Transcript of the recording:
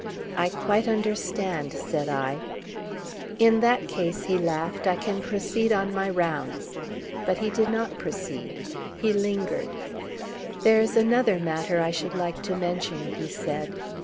"I quite understand," said I. "In that case," he laughed, "I can proceed on my rounds." But he did not proceed. He lingered. "There's another matter I should like to mention," he said.